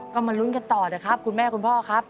ก็มาลุ้นกันต่อนะครับคุณแม่คุณพ่อครับ